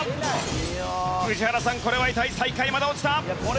宇治原さんこれは痛い最下位まで落ちた。